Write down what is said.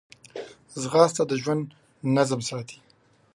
ځغاسته د ژوند نظم ساتي